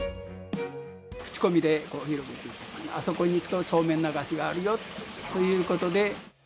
口コミで、あそこに行くとそうめん流しがあるよということで。